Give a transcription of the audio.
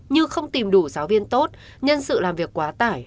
như không tìm đủ giáo viên tốt nhân sự làm việc quá tải